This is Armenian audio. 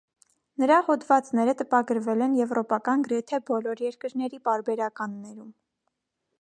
Նրա հոդվածները տպագրվել են եվրոպական գրեթե բոլոր երկրների պարբերականներում։